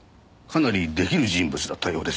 かなりデキる人物だったようです。